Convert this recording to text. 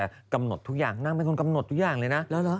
นางจะคำหนดทุกอย่างนางคุณค้นคำหนดทุกอย่างเลยนะ